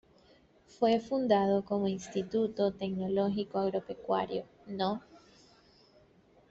Fue fundado como Instituto Tecnológico Agropecuario No.